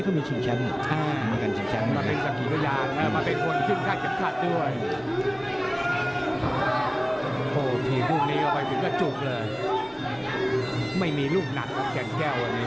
นักศึกภิกษ์ไพรัม